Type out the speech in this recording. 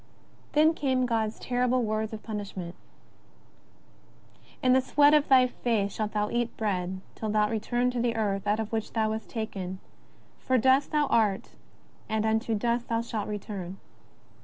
(Then came God's terrible words of punishment; " In the sweat of thy face shalt thou eat bread till thou return to the earth out of which thou wast taken : for dust thou art and unto dust thou shalt return."